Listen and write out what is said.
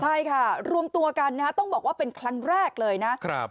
ใช่ค่ะรวมตัวกันนะฮะต้องบอกว่าเป็นครั้งแรกเลยนะ